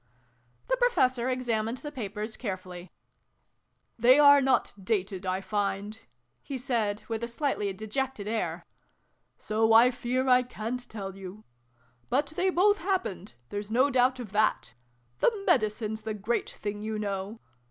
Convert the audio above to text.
The Professor examined the papers care fully. "They are not dated, I find," he said with a slightly dejected air :" so I fear I ca'n't tell you. But they both happened : there's no doubt of that. The Medicine s the great thing, you know.